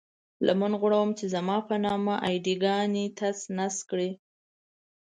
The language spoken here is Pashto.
لمن غوړوم چې زما په نامه اې ډي ګانې تس نس کړئ.